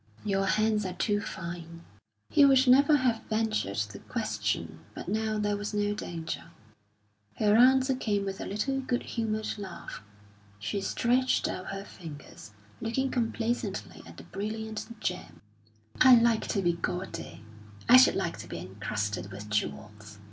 "Your hands are too fine." He would never have ventured the question, but now there was no danger. Her answer came with a little, good humoured laugh; she stretched out her fingers, looking complacently at the brilliant gems. "I like to be gaudy. I should like to be encrusted with jewels.